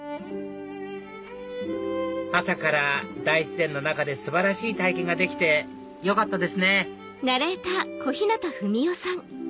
朝から大自然の中で素晴らしい体験ができてよかったですね！